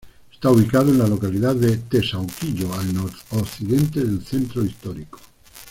Está ubicada en la localidad de Teusaquillo, al noroccidente del centro histórico.